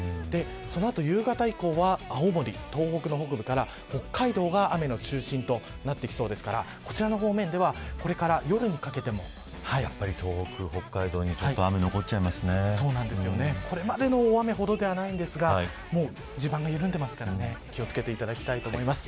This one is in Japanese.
その後夕方以降は青森、東北の北部から北海道が雨の中心となってきそうですからこちらの方面ではやっぱり東北、北海道にこれまでの大雨ほどではないですが地盤が緩んでいますから気を付けていただきたいと思います。